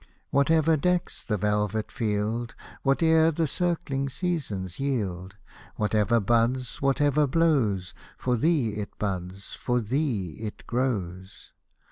Whatever decks the velvet field, Whatever the circling seasons yield, Whatever buds, whatever blows, For thee it buds, for thee it grows.